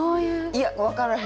いや分からへん。